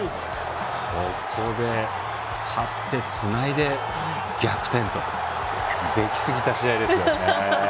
ここで、立ってつないで逆転と。できすぎた試合ですよね。